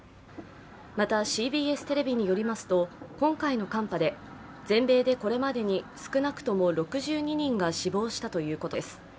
またＣＢＳテレビによりますと今回の寒波で、全米でこれまでに少なくとも６２人が死亡したということです。